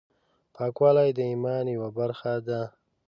پاکوالی د ایمان یوه برخه ده۔